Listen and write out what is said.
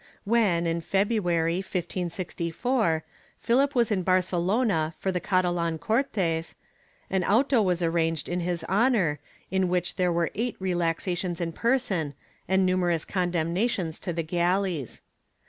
^ W^hen, in Feb ruary, 1564, Philip was in Barcelona for the Catalan Cortes, an auto was arranged in his honor, in which there were eight relaxa tions in person and numerous condemnations to the galleys.